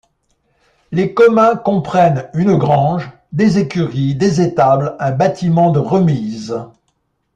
Les communs comprennent une grange, des écuries, des étables, un bâtiment de remises.